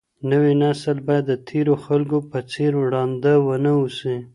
نوی نسل باید د تېرو خلګو په څېر ړانده ونه اوسي.